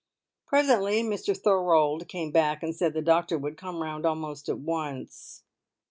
Presently Mr Thorold came back and said the doctor would come round almost at once.